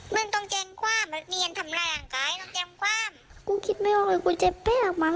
ไม่เซ็น